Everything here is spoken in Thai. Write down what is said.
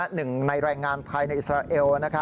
หนึ่งในแรงงานไทยในอิสราเอล